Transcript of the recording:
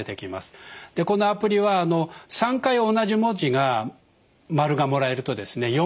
このアプリは３回同じ文字が○がもらえるとですね